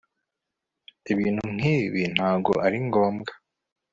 ibintu nkibi ntabwo ari ngombwa